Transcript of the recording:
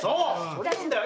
それでいいんだよ。